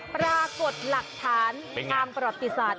ปรากฏหลักฐานทางประวัติศาสตร์